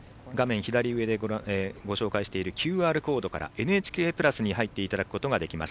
左上でご紹介しているＱＲコードからＮＨＫプラスに入っていただくことができます。